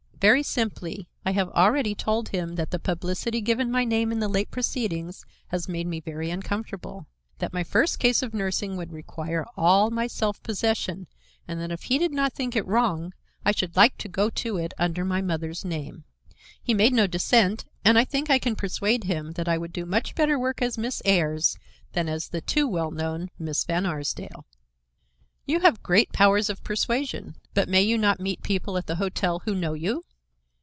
"Very simply. I have already told him that the publicity given my name in the late proceedings has made me very uncomfortable; that my first case of nursing would require all my self possession and that if he did not think it wrong I should like to go to it under my mother's name. He made no dissent and I think I can persuade him that I would do much better work as Miss Ayers than as the too well known Miss Van Arsdale." "You have great powers of persuasion. But may you not meet people at the hotel who know you?"